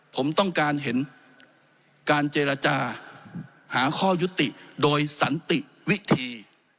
ผมต้องการเห็นการเจรจาหาข้อยุติโดยสันติวิธี